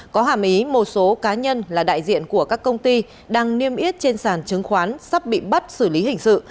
có hàm ý một số cá nhân là đại diện của các công ty đang niêm yết trên sàn chứng khoán sắp bị bắt xử lý hình sự